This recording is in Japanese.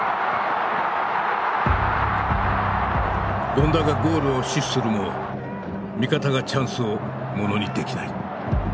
権田がゴールを死守するも味方がチャンスをものにできない。